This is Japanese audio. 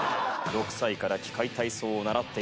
６歳から器械体操を習っていた。